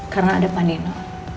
karena ada panino